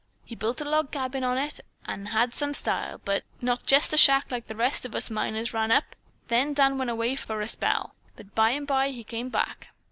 He'd built a log cabin on it that had some style, not jest a shack like the rest of us miners run up, then Dan went away for a spell but by and by he come back."